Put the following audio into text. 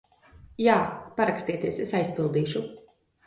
Jā. Parakstieties, es aizpildīšu.